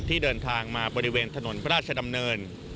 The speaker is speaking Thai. ที่เดินทางมาบริเวณถนนพระราชดำเนิน